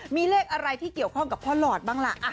มีเลขอะไรที่เกี่ยวข้องกับพ่อหลอดบ้างล่ะ